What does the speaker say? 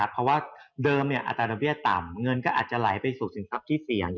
เพราะว่าเดิมอัตราดอกเบี้ยต่ำเงินก็อาจจะไหลไปสู่สินทรัพย์ที่เสี่ยง